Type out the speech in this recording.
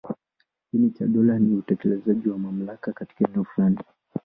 Kiini cha dola ni utekelezaji wa mamlaka katika eneo fulani.